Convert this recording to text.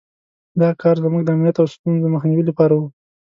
دا کار زموږ د امنیت او د ستونزو مخنیوي لپاره وو.